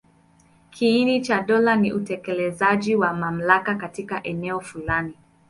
Kiini cha dola ni utekelezaji wa mamlaka katika eneo fulani.